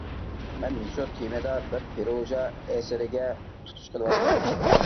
مەن مۇشۇ تېمىدا بىر پىروزا ئەسىرىگە تۇتۇش قىلىۋاتىمەن.